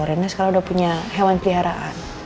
karena sekarang udah punya hewan piharan